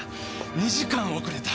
２時間遅れた！